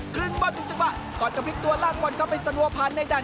ขึ้นบอลจากจังหวะก่อนจะพลิกตัวลากบอลเข้าไปสะนวบผ่านในดัน